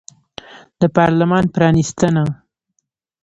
د پارلمان پرانیستنه